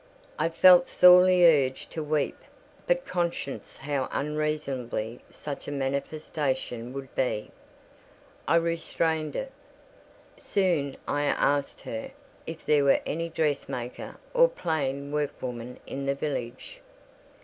I felt sorely urged to weep; but conscious how unseasonable such a manifestation would be, I restrained it. Soon I asked her "if there were any dressmaker or plain workwoman in the village?"